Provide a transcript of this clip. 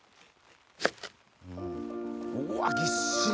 うわっぎっしり。